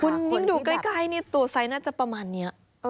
คุณดูใกล้นี่ตัวไซส์น่าจะประมาณนี้